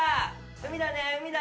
海だね海だ！